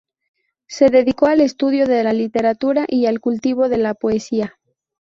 Se dedicó al estudio de la literatura y al cultivo de la poesía.